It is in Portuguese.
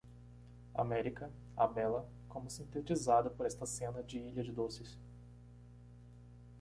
América?, a bela?, como sintetizada por esta cena de ilha de doces.